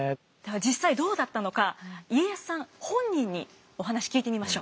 実際どうだったのか家康さん本人にお話聞いてみましょう。